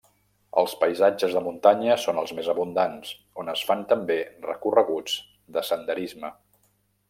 Els paisatges de muntanya són els més abundants, on es fan també recorreguts de senderisme.